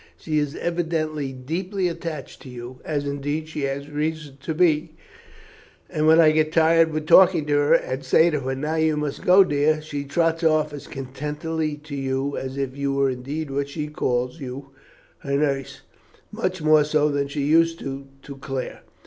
She is evidently deeply attached to you, as indeed she has reason to be, and when I get tired with talking to her, and say to her, 'Now you must go, dear,' she trots off as contentedly to you as if you were indeed what she calls you, her nurse, much more so than she used to do to Claire.